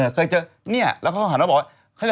เคยเจอเนี่ยแล้วเค้าถามเค้าบอก